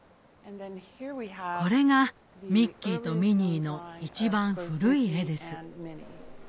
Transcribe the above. これがミッキーとミニーの一番古い絵です。